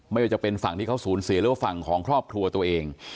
ไม่ว่าจะเป็นฝั่งที่เขาสูญเสียหรือว่าฝั่งของครอบครัวตัวเอง